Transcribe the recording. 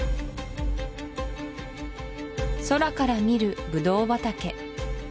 空から見るブドウ畑